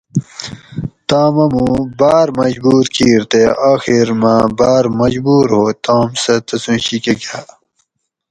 توم اٞ مُوں باٞر مجبور کِیر تے اۤخیر مٞہ باٞر مجبور ہُو توم سٞہ تسُوں شی کٞہ گاٞ